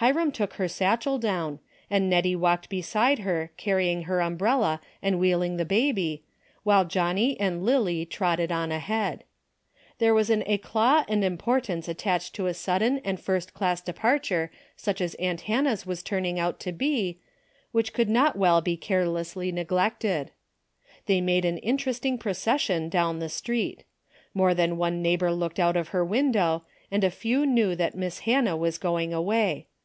Hiram took her satchel down, and Nettie walked beside her carrying her umbrella and wheeling the baby, while Johnnie and Lily trotted on ahead. There was an eclat and importance attached\ to a sudden and first class departure such as • aunt Hannah's was turning out to be, which 122 DAILY rate:' could not well be carelessly neglected. They made an interesting procession down the street. More than one neighbor looked out of her window, and a few knew that Miss Hannah was going away.